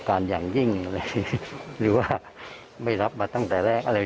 ก็จะคิดว่าไปใช้วิธีแหงนะครับ